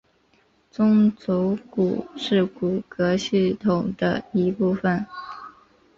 中轴骨是骨骼系统的一部分。